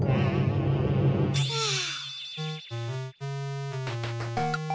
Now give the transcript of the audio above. はあ。